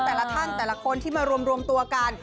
แต่ละท่านแต่ละคนที่มารวมตัวกัน